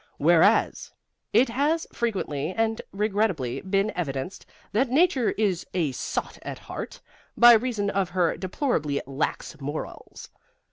WHEREAS it has frequently and regrettably been evidenced that Nature is a sot at heart, by reason of her deplorably lax morals.